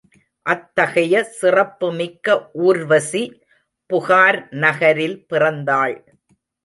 அத்தகைய சிறப்பு மிக்க ஊர்வசி புகார் நகரில் பிறந்தாள்.